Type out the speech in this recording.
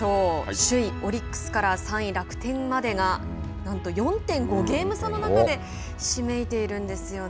首位オリックスから３位楽天までがなんと４．５ゲーム差の中でひしめいているんですよね。